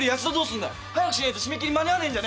早くしねえと締め切り間に合わねえんじゃねえの？